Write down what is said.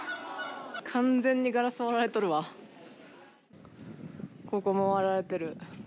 完全にガラス割られとるわ、ここも割られてる。